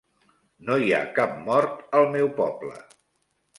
No hi ha cap mort al meu poble.